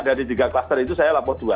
dari tiga kluster itu saya lapor dua